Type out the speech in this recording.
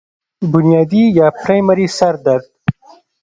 بنيادي يا پرائمري سر درد